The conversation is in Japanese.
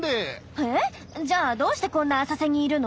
えっじゃあどうしてこんな浅瀬にいるの？